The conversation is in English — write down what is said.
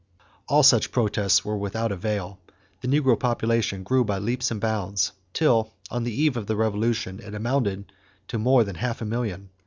All such protests were without avail. The negro population grew by leaps and bounds, until on the eve of the Revolution it amounted to more than half a million.